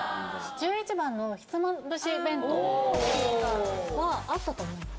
１１番のひつまぶし弁当はあったと思います